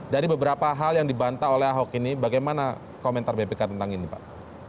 dari beberapa hal yang dibantah oleh ahok ini bagaimana komentar bpk tentang ini pak